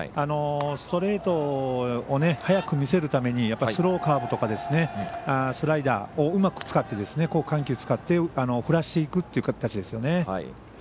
ストレートを速く見せるためにスローカーブとかスライダーをうまく使って緩急を使って振らしていくという形ですよね。